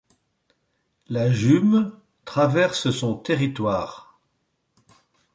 La Jümme traverse son territoire.